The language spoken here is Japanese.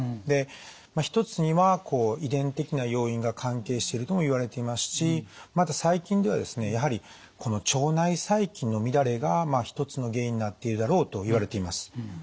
で一つには遺伝的な要因が関係しているともいわれていますしまた最近ではですねやはり腸内細菌の乱れが一つの原因になっているだろうといわれています。